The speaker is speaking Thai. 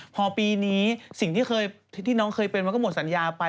พอปีนี้สิ่งที่น้องเคยเป็นมันก็หมดสัญญาไป